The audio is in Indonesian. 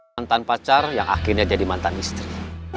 mantan pacar yang akhirnya jadi mantan istri